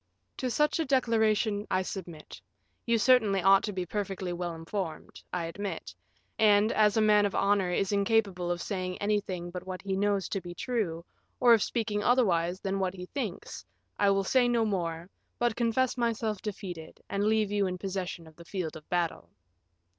"To such a declaration I submit. You certainly ought to be perfectly well informed, I admit; and, as a man of honor is incapable of saying anything but what he knows to be true, or of speaking otherwise than what he thinks, I will say no more, but confess myself defeated, and leave you in possession of the field of battle."